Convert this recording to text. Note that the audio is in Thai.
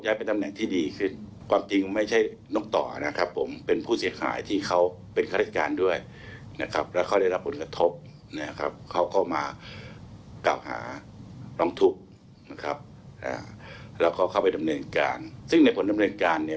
แล้วเขาเข้าไปดำเนินการซึ่งในผลดำในการ